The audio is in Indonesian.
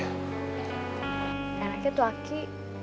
kan aki itu aki